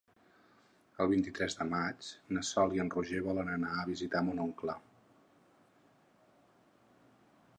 El vint-i-tres de maig na Sol i en Roger volen anar a visitar mon oncle.